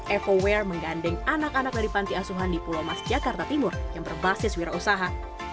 evoware menggandeng anak anak dari panti asuhan di pulau mas jakarta timur yang berbasis wira usaha